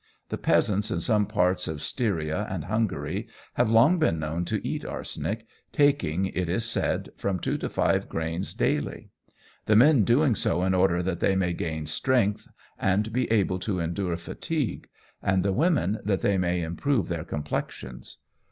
The peasants in some parts of Styria and Hungary have long been known to eat arsenic, taking, it is said, from two to five grains daily; the men doing so in order that they may gain strength and be able to endure fatigue, and the women that they may improve their complexions.